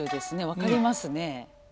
分かりますね。